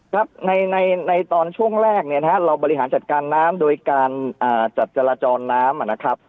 ครับในตอนช่วงแรกเนี่ยนะฮะเราบริหารจัดการน้ำโดยการจัดจราจรน้ำนะครับ